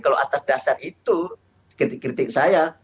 kalau atas dasar itu kritik kritik saya